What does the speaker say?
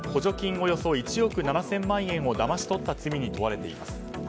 およそ１億７０００万円をだまし取った罪に問われています。